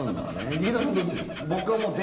劇団さんはどっちですか？